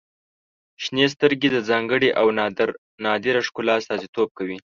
• شنې سترګې د ځانګړي او نادره ښکلا استازیتوب کوي.